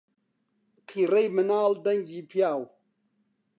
قیڕەی مناڵ دەنگی پیاو